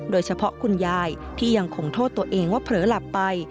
โดยเฉพาะคุณยายที่ยังขงโทษตัวเองว่าเผลอหลับไป